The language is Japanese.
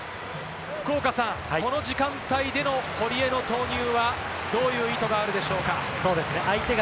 福岡さん、この時間帯での堀江の投入はどういう意図があるでしょうか？